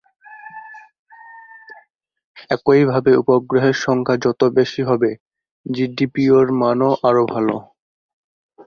একইভাবে, উপগ্রহের সংখ্যা যত বেশি হবে, জিডিওপি-র মান আরও ভাল।